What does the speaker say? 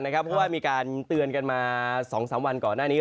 เพราะว่ามีการเตือนกันมา๒๓วันก่อนหน้านี้